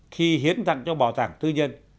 khi hiến rằng cho bảo tàng tư nhân